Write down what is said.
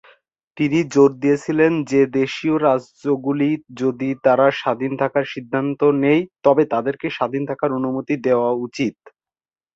তিনি জোর দিয়েছিলেন যে দেশীয় রাজ্যগুলি যদি তারা স্বাধীন থাকার সিদ্ধান্ত নেয় তবে তাদেরকে স্বাধীন থাকার অনুমতি দেওয়া উচিত।